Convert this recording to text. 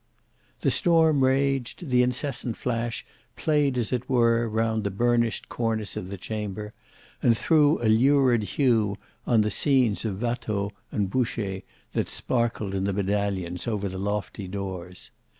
The storm raged, the incessant flash played as it were round the burnished cornice of the chamber, and threw a lurid hue on the scenes of Watteau and Boucher that sparkled in the medallions over the lofty doors.